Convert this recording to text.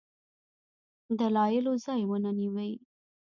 دلایلو ځای ونه نیوی.